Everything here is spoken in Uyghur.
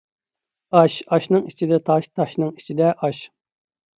ئاش ئاشنىڭ ئىچىدە تاش تاشنىڭ ئىچىدە ئاش